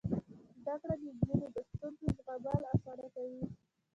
زده کړه د نجونو د ستونزو زغمل اسانه کوي.